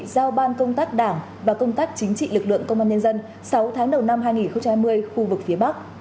giao ban công tác đảng và công tác chính trị lực lượng công an nhân dân sáu tháng đầu năm hai nghìn hai mươi khu vực phía bắc